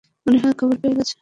মনে হয়, খবর পেয়ে গেছে।